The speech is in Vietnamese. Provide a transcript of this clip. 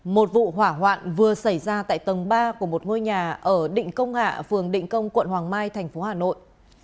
một vụ hỏa hoạn vừa xảy ra tại tầng ba của một ngôi nhà ở định công hạ phường định công quận hoàng mai thành phố hà nội